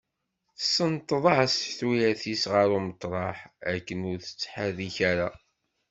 Tessenṭeḍ-as tuyat-is ɣer umeṭraḥ akken ur tettḥerrik ara.